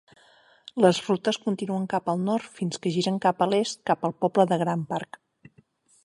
Les rutes continuen cap al nord fins que giren cap a l'est cap al poble de Grant Park.